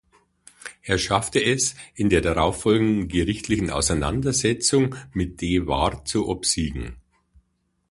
Er schaffte es, in der darauf folgenden gerichtlichen Auseinandersetzung mit Dewar zu obsiegen.